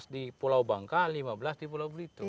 delapan belas di pulau bangka lima belas di pulau belitung